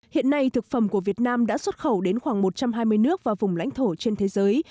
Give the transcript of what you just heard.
hiện nay thực phẩm của việt nam đã xuất khẩu đến khoảng một trăm hai mươi nước và vùng lãnh thổ trên thế giới